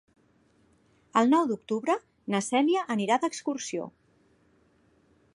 El nou d'octubre na Cèlia anirà d'excursió.